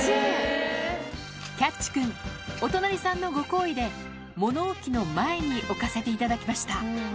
キャッチくん、お隣さんのご厚意で、物置の前に置かせていただきました。